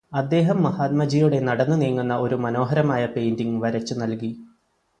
അദ്ദേഹം മഹാത്മജിയുടെ നടന്നുനീങ്ങുന്ന ഒരു മനോഹരമായ പെയിന്റിംഗ് വരച്ചു നൽകി.